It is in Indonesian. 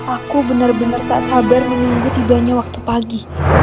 aku benar benar tak sabar menunggu tibanya waktu pagi